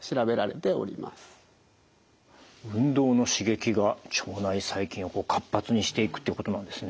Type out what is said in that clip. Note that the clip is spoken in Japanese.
運動の刺激が腸内細菌を活発にしていくっていうことなんですね。